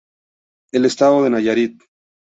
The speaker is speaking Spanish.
El Estado de Nayarit.